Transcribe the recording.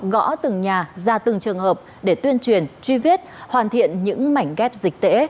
gõ từng nhà ra từng trường hợp để tuyên truyền truy viết hoàn thiện những mảnh ghép dịch tễ